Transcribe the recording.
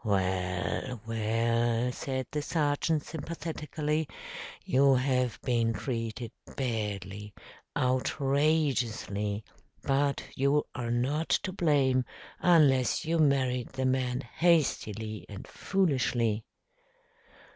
"Well, well!" said the sergeant sympathetically, "you have been treated badly, outrageously; but you are not to blame unless you married the man hastily and foolishly."